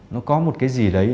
nó có một cái gì đấy